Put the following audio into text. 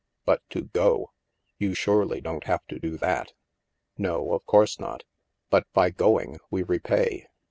But to go ! You surely don't have to do that." " No, of course not. But by going, we repay.